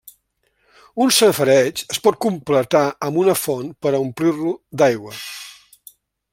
Un safareig es pot completar amb una font per a omplir-lo d'aigua.